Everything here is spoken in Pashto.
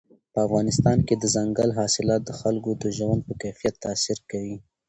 په افغانستان کې دځنګل حاصلات د خلکو د ژوند په کیفیت تاثیر کوي.